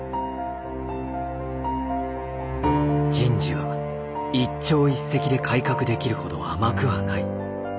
人事は一朝一夕で改革できるほど甘くはない。